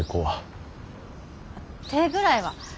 あっ手ぐらいは。